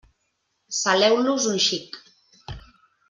Saleu-los un xic.